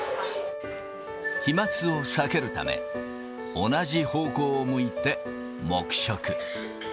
飛まつを避けるため、同じ方向を向いて黙食。